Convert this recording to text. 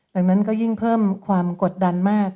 ดังนั้นก็ยิ่งเพิ่มความกดดันมาก